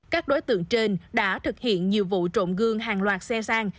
các đối tượng trên đã thực hiện nhiều vụ trộm gương hàng loạt xe sang